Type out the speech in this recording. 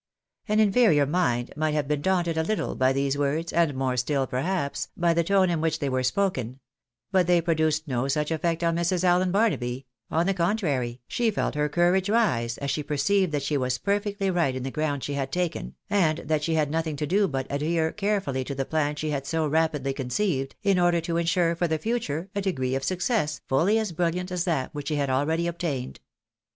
" An inferior mind might have been daunted a little by these words, and more still, perhaps, by the tone in which they were spoken, but they produced no such effect on Mrs. Allen Barnaby , on the contrary, she felt her courage rise as she perceived that she was perfectly right in the ground she had taken, and that she had nothing to do but adhere carefully to the plan she had so rapidly conceived, in order to insure for the future a degree of success fully as brilliant as that which she had already obtained.